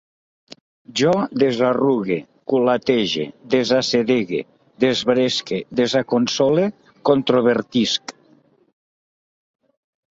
Jo desarrugue, culatege, desassedegue, desbresque, desaconsole, controvertisc